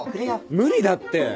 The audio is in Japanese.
無理だって！